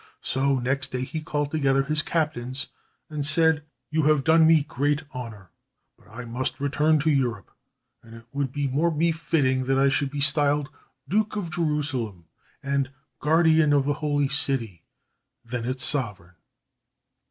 So next day he called together his captains and said: "You have done me great honor. But I must return to Europe, and it would be more befitting that I should be styled Duke of Jerusalem and Guardian of the Holy City than its sovereign."